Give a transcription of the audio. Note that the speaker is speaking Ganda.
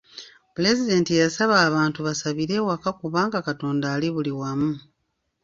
Pulezidenti yasaba abantu basabire ewaka kubanga Katonda ali buli wamu.